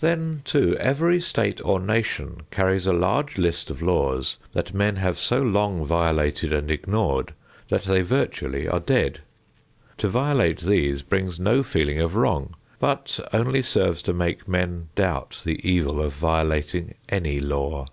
Then, too, every state or nation carries a large list of laws that men have so long violated and ignored, that they virtually are dead. To violate these brings no feeling of wrong, but only serves to make men doubt the evil of violating any law.